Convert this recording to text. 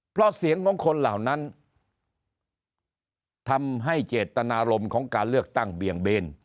เพราะเสียงของคนเหล่านั้นทำให้เจตนารมณ์ของการเลือกตั้งเบี่ยงเบน